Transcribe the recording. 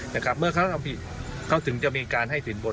นะครับเมื่อเขาทำผิดเขาถึงจะมีการให้สินบน